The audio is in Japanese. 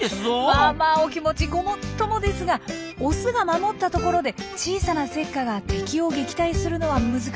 まあまあお気持ちごもっともですがオスが守ったところで小さなセッカが敵を撃退するのは難しいんです。